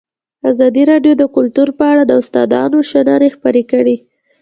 ازادي راډیو د کلتور په اړه د استادانو شننې خپرې کړي.